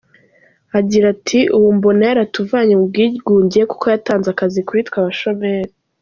Agira ati “Ubu mbona yaratuvanye mu bwigunge kuko yatanze akazi kuri twe abashomeri.